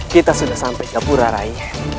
kita sudah sampai ke pura rai